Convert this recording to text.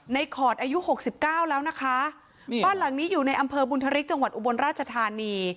ในขอดอายุ๖๙แล้วนะคะบ้านหลังนี้อยู่ในอำเภอบุณฑฤษจังหวัดอุบลราชธานี